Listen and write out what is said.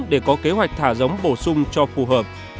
để có kế hoạch thả giống bổ sung cho phù hợp